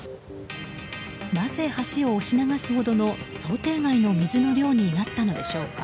なぜ橋を押し流すほどの想定外の水の量になったのでしょうか。